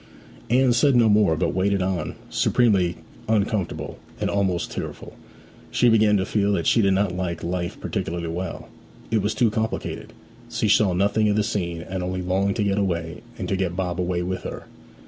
Anne said no more, but waited on, supremely uncomfortable, and almost tearful. She began to feel that she did not like life particularly well; it was too complicated: she saw nothing of the scene, and only longed to get away, and to get Bob away with her.